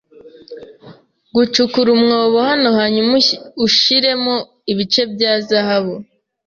Gucukura umwobo hano hanyuma ushiremo ibice bya zahabu.